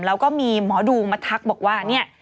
แล้วก็มีหมอดูมาทักบอกว่าเนี่ย